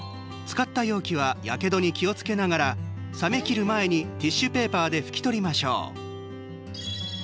使った容器はやけどに気をつけながら冷め切る前にティッシュペーパーで拭き取りましょう。